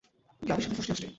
গাভীর সাথে ফষ্টিনষ্টি।